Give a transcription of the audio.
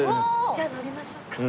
じゃあ乗りましょうか。